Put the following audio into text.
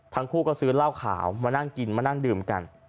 ทั้งคู่ก็ซื้อเหล้าขาวมานั่งกินมานั่งดื่มกัน